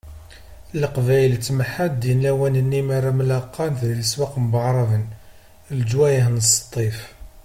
Leqbayel ttemḥaddin lawan-nni m'ara mmlaqan deg leswaq n Waεraben, leǧwayeh n Sṭif.